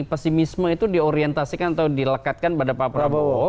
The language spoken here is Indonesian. pesimisme itu di orientasikan atau dilekatkan pada pak prabowo